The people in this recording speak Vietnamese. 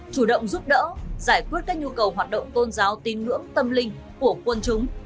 chủ động giúp đỡ giải quyết các nhu cầu hoạt động tôn giáo tin ngưỡng tâm linh của quân chúng